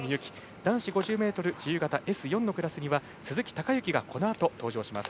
男子５０ｍ自由形Ｓ４には鈴木孝幸がこのあと登場します。